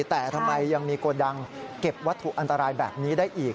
แต่ทำไมยังมีโกดังเก็บวัตถุอันตรายแบบนี้ได้อีก